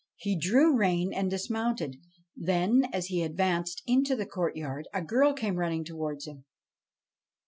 He drew rein and dismounted ; then, as he advanced into the courtyard, a girl came running towards him.